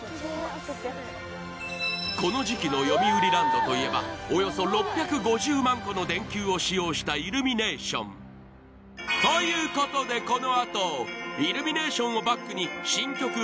この時期のよみうりランドといえばおよそ６５０万個の電球を使用したイルミネーションということでこの後結ばれてる心は